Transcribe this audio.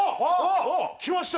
きました！